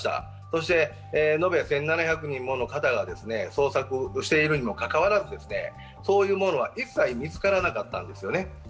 そして延べ１７００人もの方が捜索しているにもかかわらずそういうものは一切見つからなかったんですよね。